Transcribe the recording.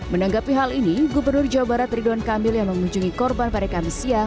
menanggapi hal ini gubernur jawa barat ridwan kamil yang mengunjungi korban pari kamisia